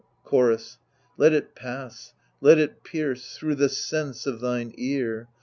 Chorus Let it pass, let it pierce, through the sense of thine ear.